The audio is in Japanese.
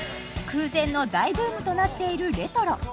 空前の大ブームとなっているレトロ